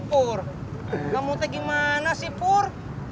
pur kamu tuh gimana sih pur